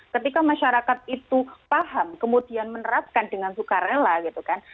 ketika masyarakat itu paham kemudian menerapkan dengan suka rela gitu kan